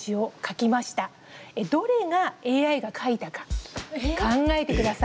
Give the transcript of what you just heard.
どれがＡＩが書いたか考えてください。